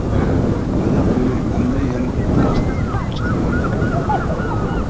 ھايات مېنى ئەمدى يەنە بىر قېتىم چېنىقتۇرۇپ چىقىدىغاندەك قىلاتتى.